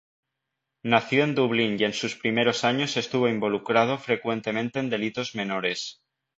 Nació en Dublín y en sus primeros años estuvo involucrado frecuentemente en delitos menores.